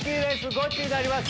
ゴチになります！